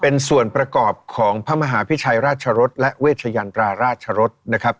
เป็นส่วนประกอบของพระมหาพิชัยราชรสและเวชยันตราราชรสนะครับ